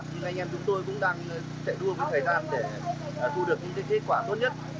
nhưng anh em chúng tôi cũng đang chạy đua với thời gian để thu được những kết quả tốt nhất